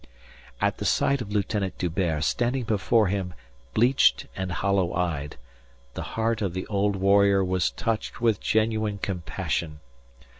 At the sight of Lieutenant D'Hubert standing before him bleached and hollow eyed, the heart of the old warrior was touched with genuine compassion.